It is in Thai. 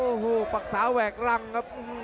โอ้โหปรักษาแหวกรังครับ